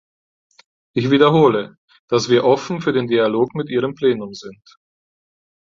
Ich wiederhole, dass wir offen für den Dialog mit Ihrem Plenum sind.